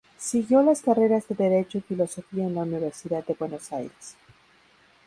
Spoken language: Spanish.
Siguió las carreras de derecho y filosofía en la Universidad de Buenos Aires.